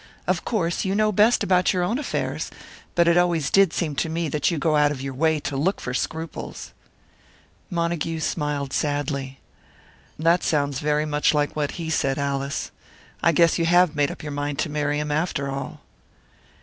Of course, you know best about your own affairs; but it always did seem to me that you go out of your way to look for scruples." Montague smiled sadly. "That sounds very much like what he said, Alice. I guess you have made up your mind to marry him, after all."